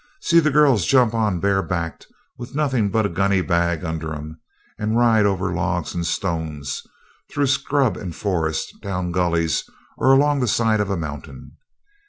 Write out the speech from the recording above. See the girls jump on bare backed, with nothing but a gunny bag under 'em, and ride over logs and stones, through scrub and forest, down gullies, or along the side of a mountain.